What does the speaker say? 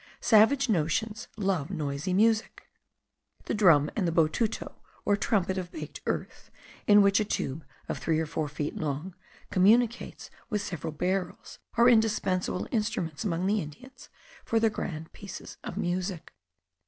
Savage notions love noisy music; the drum and the botuto, or trumpet of baked earth, in which a tube of three or four feet long communicates with several barrels, are indispensable instruments among the Indians for their grand pieces of music.